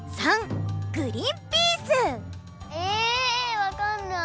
わかんない！